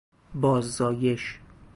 باززایش